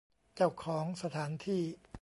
เจ้าของสถานที่